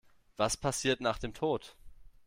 Was passiert nach dem Tod?